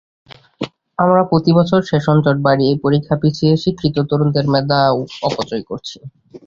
আমরা প্রতিবছর সেশনজট বাড়িয়ে পরীক্ষা পিছিয়ে শিক্ষিত তরুণদের মেধাও অপচয় করছি।